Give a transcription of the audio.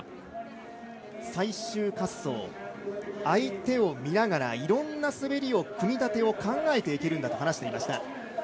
相手を見ながら、いろんな滑りを、組み立てを考えていけるんだと話していました。